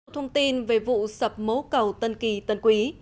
thông tin về vụ sập mố cầu tân kỳ tân quý